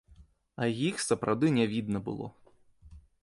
А іх сапраўды не відна было.